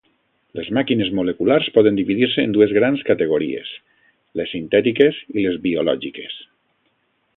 Les màquines moleculars poden dividir-se en dues grans categories: les sintètiques i les biològiques.